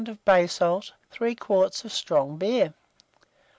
of bay salt, 3 quarts of strong beer.